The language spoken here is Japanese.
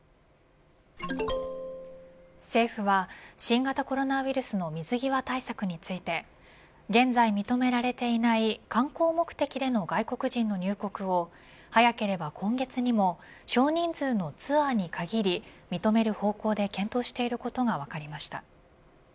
政府は新型コロナウイルスの水際対策について現在認められていない観光目的での外国人の入国を早ければ今月にも少人数のツアーに限り認める方向で検討していることが分かりました。